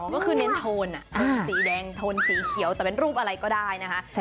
ก็คือเน้นโทนสีแดงโทนสีเขียวแต่เป็นรูปอะไรก็ได้นะคะ